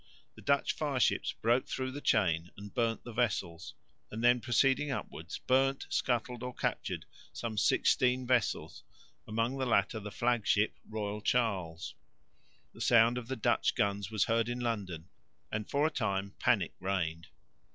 The Dutch fire ships broke through the chain and burnt the vessels, and then proceeding upwards burnt, scuttled or captured some sixteen vessels, among the latter the flag ship, Royal Charles. The sound of the Dutch guns was heard in London and for a time panic reigned.